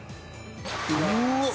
「うわっ！